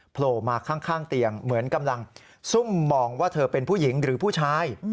โผล่มาข้างเตียงเหมือนกำลังซุ่มมองว่าเธอเป็นผู้หญิงหรือผู้ชาย